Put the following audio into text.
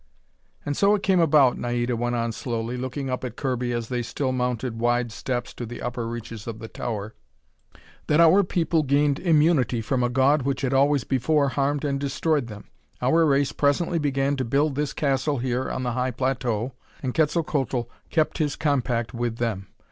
"And so it came about," Naida went on slowly, looking up at Kirby as they still mounted wide steps to the upper reaches of the tower, "that our people gained immunity from a God which had always before harmed and destroyed them. Our race presently began to build this castle here on the high plateau, and Quetzalcoatl kept his compact with them.